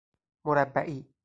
مربعی